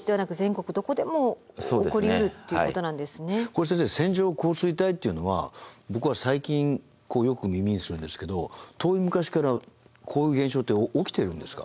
これ先生線状降水帯っていうのは僕は最近よく耳にするんですけど遠い昔からこういう現象って起きてるんですか？